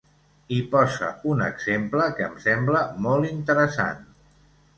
I posa un exemple que em sembla molt interessant.